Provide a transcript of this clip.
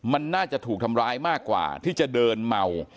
มันน่าจะถูกทำร้ายมากกว่าที่จะเดินเมา